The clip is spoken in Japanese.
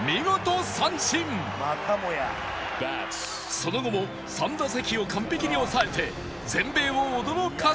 その後も３打席を完璧に抑えて全米を驚かせた